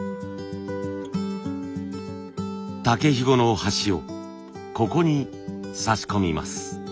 竹ひごの端をここに差し込みます。